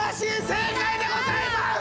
正解でございます！